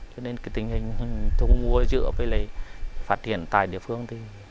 cho nên tình hình thu mua dứa với phát triển tại địa phương thì